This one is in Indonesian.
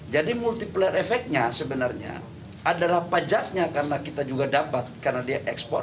jadi multipler efeknya sebenarnya adalah pajaknya karena kita juga dapat karena dia ekspor